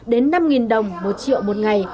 đến năm đồng một triệu một ngày